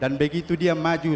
dan begitu dia maju